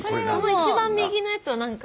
一番右のやつはなんか。